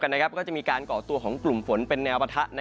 ก็จะมีการก่อตัวของกลุ่มฝนเป็นแนวปะทะ